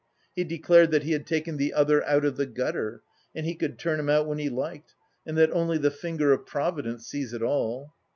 He declared that he had taken the other out of the gutter and he could turn him out when he liked, and that only the finger of Providence sees it all.